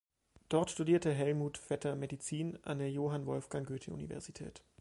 Dort studierte Hellmuth Vetter Medizin an der Johann-Wolfgang-Goethe-Universität.